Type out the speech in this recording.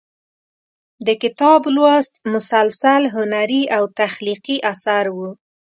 د کتاب لوست مسلسل هنري او تخلیقي اثر و.